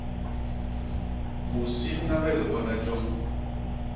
U simna me liwanda joñ.